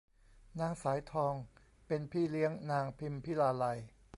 นางสายทองเป็นพี่เลี้ยงนางพิมพิลาไลย